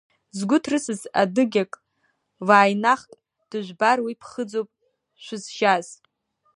Згәы ҭрысыз адыгьак, ваинахк Дыжәбар, уи ԥхыӡуп шәызжьаз.